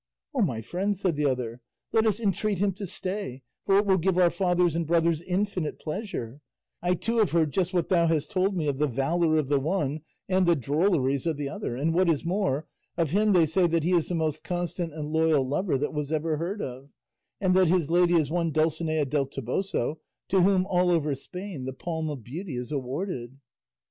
"Oh, my friend," said the other, "let us entreat him to stay; for it will give our fathers and brothers infinite pleasure; I too have heard just what thou hast told me of the valour of the one and the drolleries of the other; and what is more, of him they say that he is the most constant and loyal lover that was ever heard of, and that his lady is one Dulcinea del Toboso, to whom all over Spain the palm of beauty is awarded."